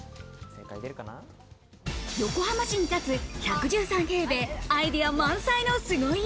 横浜市に立つ１１３平米、アイデア満載の凄家。